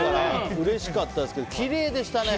うれしかったですけどきれいでしたね。